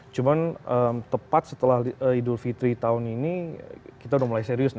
cuman tepat setelah idul fitri tahun ini kita udah mulai serius nih